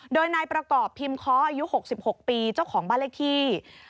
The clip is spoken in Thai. โดยนายประกอบพิมเคาะอายุ๖๖ปีเจ้าของบ้านเลขที่